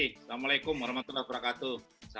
assalamualaikum warahmatullahi wabarakatuh